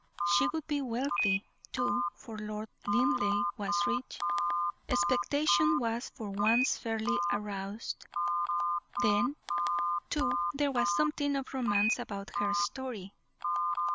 She would be wealthy, too, for Lord Linleigh was rich. Expectation was for once fairly aroused; then, too, there was something of romance about her story.